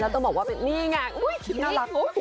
ต้องบอกว่าเป็นนี่ไงคลิปน่ารัก